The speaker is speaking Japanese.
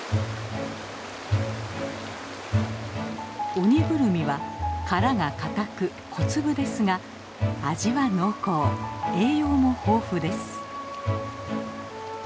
オニグルミは殻がかたく小粒ですが味は濃厚栄養も豊富です。